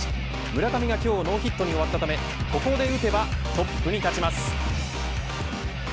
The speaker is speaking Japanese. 村上が今日ノーヒットに終わったためここで打てばトップに立ちます。